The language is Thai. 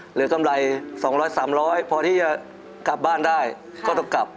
กำไร๒๐๐๓๐๐พอที่จะกลับบ้านได้ก็ต้องกลับ